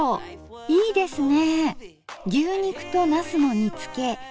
いいですね。